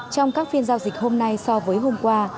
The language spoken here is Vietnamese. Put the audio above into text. trong các phiên giao dịch hôm nay so với hôm qua